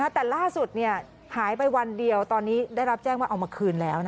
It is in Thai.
แต่ล่าสุดหายไปวันเดียวตอนนี้ได้รับแจ้งว่าเอามาคืนแล้ว